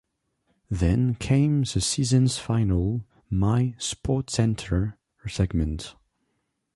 Then came the season's final "My "SportsCenter" segment.